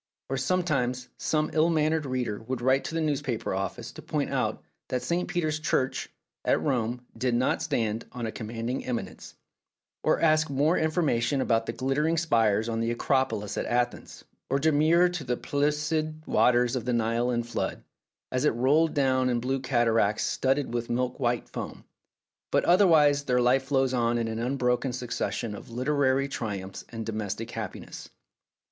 Or sometimes some ill mannered reader would write to the newspaper office to point out that St. Peter's Church at Rome did not stand on a "commanding eminence," or ask more informa tion about the "glittering spires " on the Acropolis at Athens, or demur to the "pellucid waters of the Nile in flood, as it rolled down in blue cataracts studded with milk white foam." But otherwise their life flowed on in an unbroken succession of literary triumphs and domestic happiness.